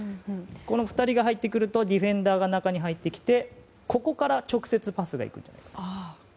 この２人が入ってくるとディフェンダーが中に入ってきてここから直接パスが行く。